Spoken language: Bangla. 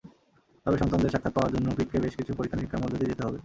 তবে সন্তানদের সাক্ষাৎ পাওয়ার জন্য পিটকে বেশ কিছু পরীক্ষা-নিরীক্ষার মধ্য দিয়ে যেতে হবে।